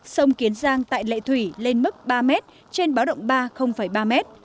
sông kiến giang tại lệ thủy lên mức ba m trên báo động ba ba m